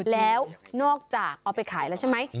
แล้วนอกจากเอาไปขายแล้วใช่ไหม